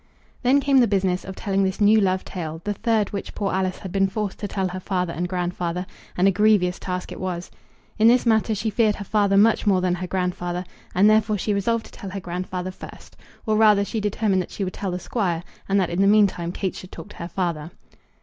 Then came the business of telling this new love tale, the third which poor Alice had been forced to tell her father and grandfather; and a grievous task it was. In this matter she feared her father much more than her grandfather, and therefore she resolved to tell her grandfather first; or, rather, she determined that she would tell the Squire, and that in the mean time Kate should talk to her father.